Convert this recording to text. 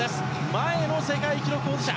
前の世界記録保持者。